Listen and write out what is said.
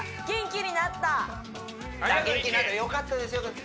元気になったよかったです